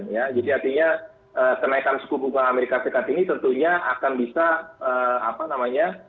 ya jadi artinya kenaikan suku bunga amerika serikat ini tentunya akan bisa apa namanya